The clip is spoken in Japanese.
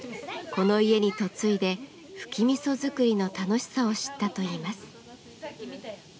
この家に嫁いでフキみそ作りの楽しさを知ったといいます。